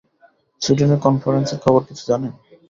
সুইডেনের কনফারেন্সের খবর কিছু জানেন?